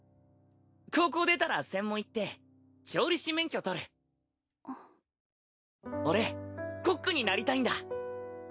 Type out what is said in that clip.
高校出たら専門行って調理師免許取あっ俺コックになりたいんだ